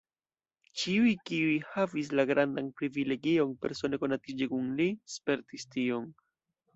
Ĉiuj, kiuj havis la grandan privilegion persone konatiĝi kun li, spertis tion.